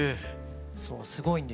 そうすごいんですよね。